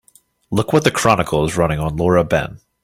Look what the Chronicle is running on Laura Ben.